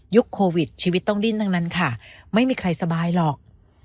โควิดชีวิตต้องดิ้นทั้งนั้นค่ะไม่มีใครสบายหรอก